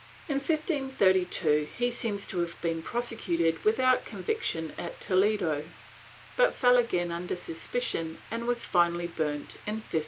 In 1532 he seems to have been prosecuted with out conviction at Toledo, but fell again under suspicion and was finally burnt in 1551.